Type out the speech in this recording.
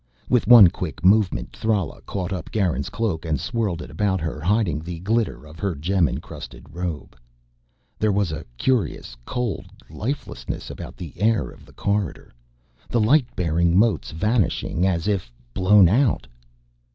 With one quick movement Thrala caught up Garin's cloak and swirled it about her, hiding the glitter of her gem encrusted robe. There was a curious cold lifelessness about the air of the corridor, the light bearing motes vanishing as if blown out.